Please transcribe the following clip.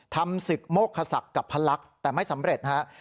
ทำศึกโมกคศักดิ์กับพระลักษณ์แต่ไม่สำเร็จฮะ